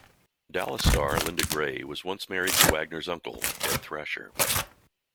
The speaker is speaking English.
"Dallas" star Linda Gray was once married to Wagner's uncle, Ed Thrasher.